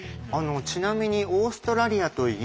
ちなみにオーストラリアとイギリス